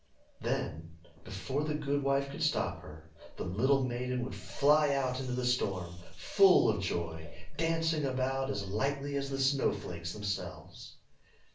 Then, before the good wife could stop her, the little maiden would fly out into the storm, full of joy, dancing about as lightly as the snow flakes themselves.